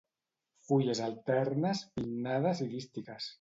Fulles alternes, pinnades i dístiques.